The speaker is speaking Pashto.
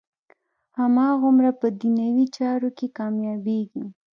هماغومره په دنیوي چارو کې کامیابېږي.